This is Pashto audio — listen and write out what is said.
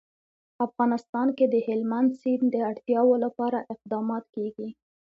افغانستان کې د هلمند سیند د اړتیاوو لپاره اقدامات کېږي.